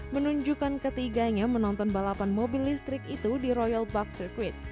menunjukkan ketiganya menonton balapan mobil listrik itu di royal bag circuit